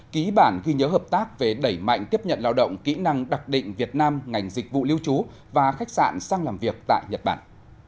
ký bản ghi nhớ hợp tác về đẩy mạnh tiếp nhận lao động kỹ năng đặc định việt nam ngành dịch vụ lưu trú và khách sạn sang làm việc tại nhật bản